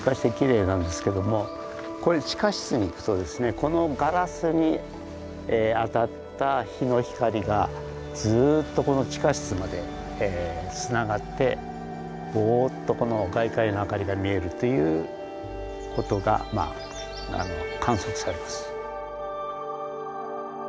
このガラスに当たった日の光がずっとこの地下室までつながってぼうっとこの外界の明かりが見えるということがまあ観測されます。